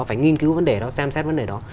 phải nghiên cứu vấn đề đó xem xét vấn đề đó